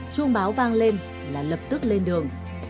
chuông báo vang lên là lập tức lên đường